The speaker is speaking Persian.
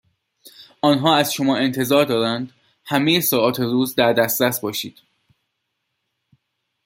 آنها از شما انتظار دارند همهی ساعات روز در دسترس باشید.